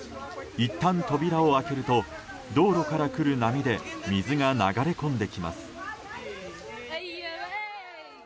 いったん、扉を開けると道路から来る波で水が流れ込んできます。